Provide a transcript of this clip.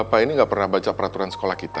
bapak ini ga pernah baca peraturan sekolah kita